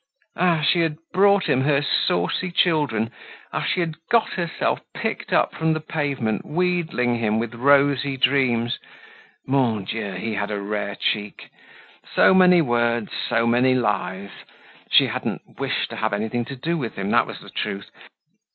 Ah! she had brought him her saucy children; ah! she had got herself picked up from the pavement, wheedling him with rosy dreams! Mon Dieu! he had a rare cheek! So many words, so many lies. She hadn't wished to have anything to do with him, that was the truth.